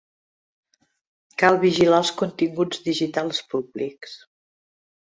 Cal vigilar els continguts digitals públics.